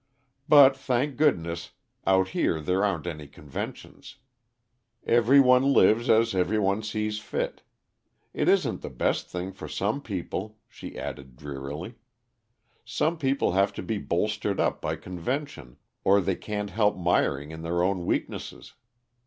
"But, thank goodness, out here there aren't any conventions. Every one lives as every one sees fit. It isn't the best thing for some people," she added drearily. "Some people have to be bolstered up by conventions, or they can't help miring in their own weaknesses.